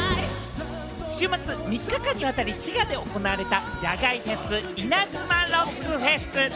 週末、３日間にわたり滋賀で行われた野外フェスイナズマロックフェス！